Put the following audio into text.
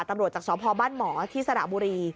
ตำรวจจากชพบ้านหมอที่สระบุรี